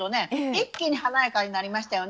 一気に華やかになりましたよね。